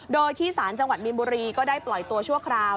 โดยที่สารจังหวัดมีนบุรีก็ได้ปล่อยตัวชั่วคราว